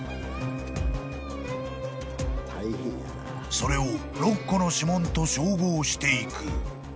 ［それを６個の指紋と照合していく］